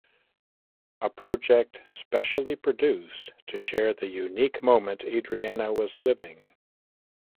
A project specially produced to share the unique moment Adriana was living.